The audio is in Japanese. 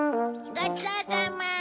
ごちそうさま。